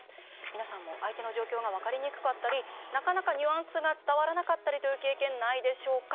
皆さんも相手の状況が分かりにくかったりなかなかニュアンスが伝わらなかったりという経験ないでしょうか？